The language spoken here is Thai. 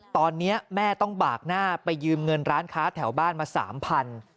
ตอนนี้แม่ต้องบากหน้าไปยืมเงินร้านค้าแถวบ้านมา๓๐๐บาท